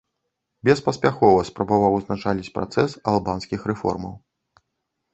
Беспаспяхова спрабаваў ўзначаліць працэс албанскіх рэформаў.